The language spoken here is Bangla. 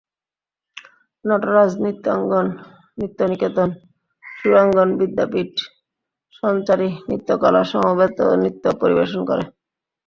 নটরাজ নৃত্যাঙ্গন, নৃত্যনিকেতন, সুরাঙ্গন বিদ্যাপীঠ, সঞ্চারি নৃত্যকলা সমবেত নৃত্য পরিবেশন করে।